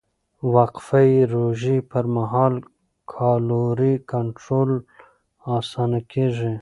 د وقفهيي روژې پر مهال کالوري کنټرول اسانه کېږي.